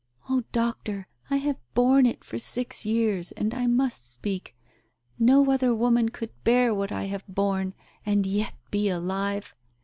"Oh, Doctor, I have borne it for six years, and I must speak. No other woman could bear what I have borne, and yet be alive